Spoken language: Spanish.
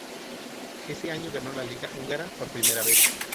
Ese año ganó la liga húngara por primera vez.